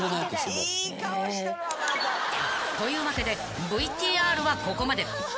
［というわけでＶＴＲはここまで］